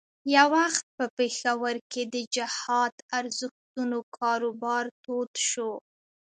یو وخت په پېښور کې د جهاد ارزښتونو کاروبار تود شو.